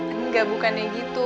enggak bukannya gitu